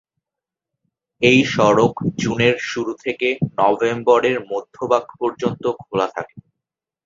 এই সড়ক জুনের শুরু থেকে নভেম্বরের মধ্যভাগ পর্যন্ত খোলা থাকে।